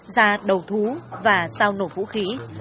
ra đầu thú và tao nổ vũ khí